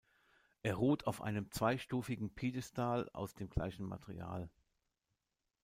Er ruht auf einem zweistufigen Piedestal aus dem gleichen Material.